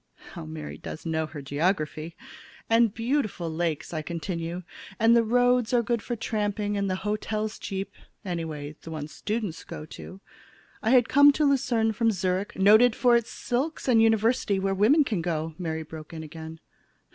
How Mary does know her geography! "And beautiful lakes," I continue. "And the roads are good for tramping, and the hotels cheap. Anyway, the ones the students go to. I had come to Lucerne from Zurich " "Noted for its silks and university where women can go," Mary broke in again.